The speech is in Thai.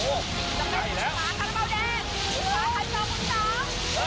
หมอนท็อไปก็เป็นท็อปให้